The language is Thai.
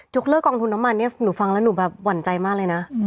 เลิกองทุนน้ำมันเนี่ยหนูฟังแล้วหนูแบบหวั่นใจมากเลยนะ